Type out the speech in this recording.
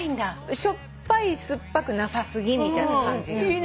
しょっぱい酸っぱくなさすぎみたいな感じ。